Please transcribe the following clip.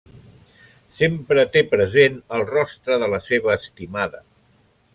Sempre té present el rostre de la seva estimada.